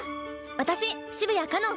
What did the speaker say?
私澁谷かのん。